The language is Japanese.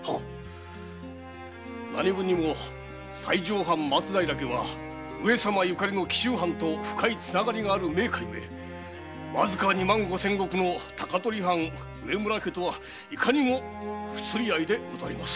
何分にも西条藩松平家は上様ゆかりの紀州藩と深いつながりがある名家ゆえわずか二万五千石の高取藩植村家とはいかにも不釣り合いでございまする。